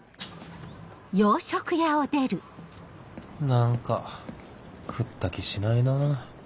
何か食った気しないなぁ